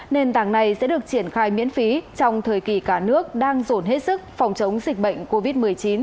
nền tảng này sẽ được triển khai miễn phí trong thời kỳ cả nước đang dồn hết sức phòng chống dịch bệnh covid một mươi chín